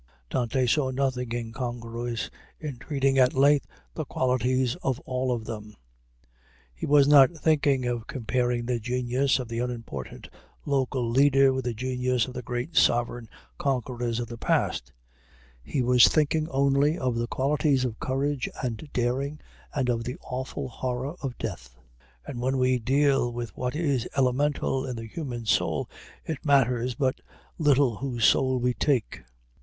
Dante saw nothing incongruous in treating at length of the qualities of all of them; he was not thinking of comparing the genius of the unimportant local leader with the genius of the great sovereign conquerors of the past he was thinking only of the qualities of courage and daring and of the awful horror of death; and when we deal with what is elemental in the human soul it matters but little whose soul we take.